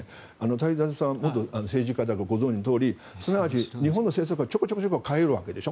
太蔵さん、元政治家だからご存じのとおりすなわち日本の政策はちょこちょこ変えるわけでしょ。